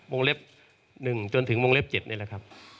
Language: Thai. วงเล็บ๑จนถึงวงเล็บ๗นี่แหละครับ